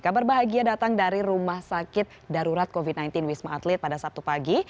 kabar bahagia datang dari rumah sakit darurat covid sembilan belas wisma atlet pada sabtu pagi